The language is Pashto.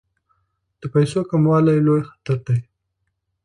د پیسو کموالی لوی خطر دی.